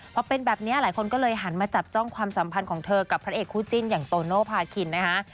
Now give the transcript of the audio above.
พอเป็นแบบนี้หลายคนก็เลยหันมาจับจ้องความสัมพันธ์ของเธอกับพระเอกคู่จิ้นอย่างโตโนภาคินนะคะ